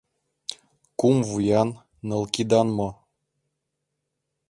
Кум вуян, ныл кидан мо?..